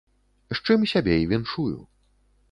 З чым сябе і віншую.